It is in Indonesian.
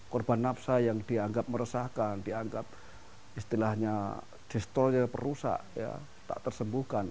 korban nafsa yang dianggap meresahkan dianggap istilahnya gestolnya perusak tak tersembuhkan